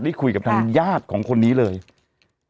ที่คุยกับทางญาติของคนนี้เลยพี่โก้ย